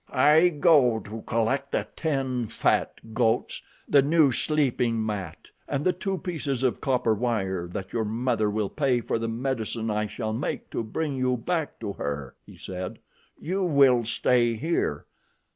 "I go to collect the ten fat goats, the new sleeping mat, and the two pieces of copper wire that your mother will pay for the medicine I shall make to bring you back to her," he said. "You will stay here.